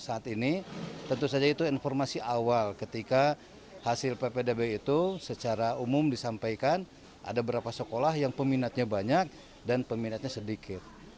saat ini tentu saja itu informasi awal ketika hasil ppdb itu secara umum disampaikan ada berapa sekolah yang peminatnya banyak dan peminatnya sedikit